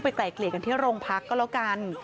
ไกล่เกลี่ยกันที่โรงพักก็แล้วกัน